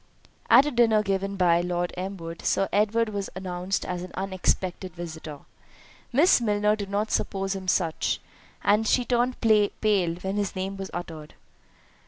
At a dinner given by Lord Elmwood, Sir Edward was announced as an unexpected visitor; Miss Milner did not suppose him such, and she turned pale when his name was uttered.